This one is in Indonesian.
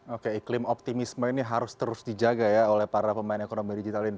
jadi itu juga otimisme ini harus terus dijaga ya oleh para pemain ekonomi digital ini